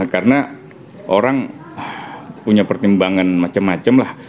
karena orang punya pertimbangan macam macam lah